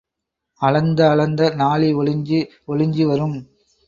அளந்த அளந்த நாழி ஒளிஞ்சு ஒளிஞ்சு வரும்.